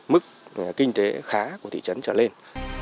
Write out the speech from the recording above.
mức kinh tế khá của thị trấn trở lên